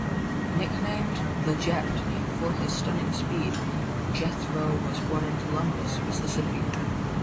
Nicknamed "The Jet" for his stunning speed, Jethroe was born in Columbus, Mississippi.